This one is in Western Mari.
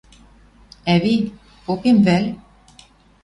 — Ӓви, попем вӓл?